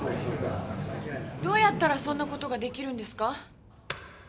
どうやったらそんな事ができるんですか？